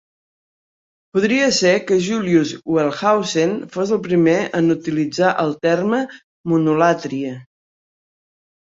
Podria ser que Julius Wellhausen fos el primer a utilitzar el terme "monolatria".